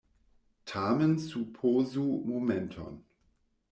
Tamen supozu momenton.